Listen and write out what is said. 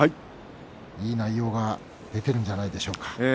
いい内容が出ているんじゃないですか？